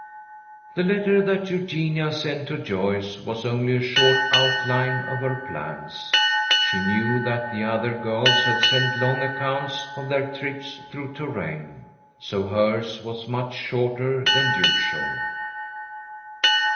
The letter that Eugenia sent to Joyce was only a short outline of her plans. She knew that the other girls had sent long accounts of their trip through Touraine, so hers was much shorter than usual.